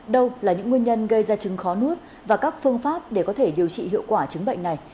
đâu là những nguyên nhân gây ra chứng khó nuốt và các phương pháp để có thể điều trị hiệu quả chứng bệnh này